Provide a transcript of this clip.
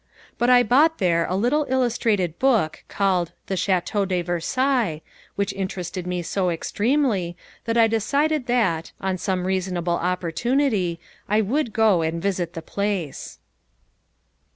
But I bought there a little illustrated book called the Château de Versailles, which interested me so extremely that I decided that, on some reasonable opportunity, I would go and visit the place.